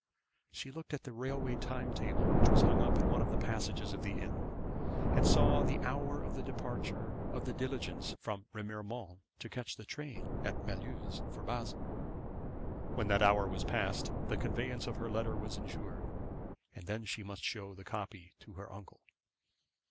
She looked at the railway time table which was hung up in one of the passages of the inn, and saw the hour of the departure of the diligence from Remiremont to catch the train at Mulhouse for Basle. When that hour was passed, the conveyance of her letter was insured, and then she must show the copy to her uncle.